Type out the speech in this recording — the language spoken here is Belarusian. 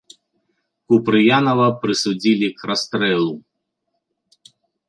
Купрыянава прысудзілі к расстрэлу.